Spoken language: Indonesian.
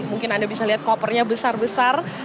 mungkin anda bisa lihat kopernya besar besar